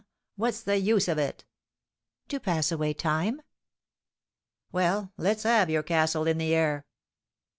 What's the use of it?" "To pass away time." "Well, let's have your castle in the air."